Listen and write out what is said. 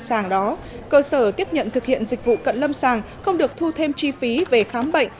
sàng đó cơ sở tiếp nhận thực hiện dịch vụ cận lâm sàng không được thu thêm chi phí về khám bệnh